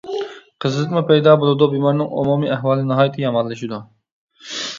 قىزىتما پەيدا بولىدۇ، بىمارنىڭ ئومۇمىي ئەھۋالى ناھايىتى يامانلىشىدۇ.